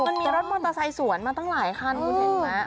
มันมีรถมอเตอร์ไซค์สวนมาตั้งหลายคันคุณเห็นไหม